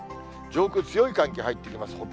上空、強い寒気が入ってきます。